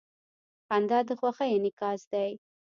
• خندا د خوښۍ انعکاس دی.